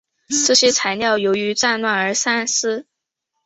这些材料由于战乱而散失。